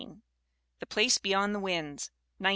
The Place Beyond the Winds, 1914.